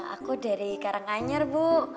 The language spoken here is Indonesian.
aku dari karanganyar bu